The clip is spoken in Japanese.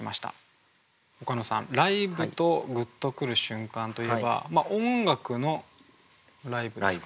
岡野さん「ライブ」と「グッとくる瞬間」といえば音楽の「ライブ」ですか？